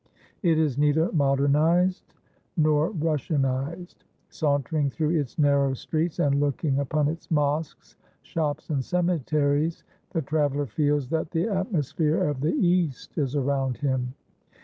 It is neither modernized nor Russianized. Sauntering through its narrow streets, and looking upon its mosques, shops, and cemeteries, the traveller feels that the atmosphere of the East is around him.